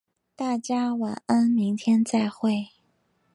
大家晚安，明天再会。